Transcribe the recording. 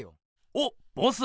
おっボス！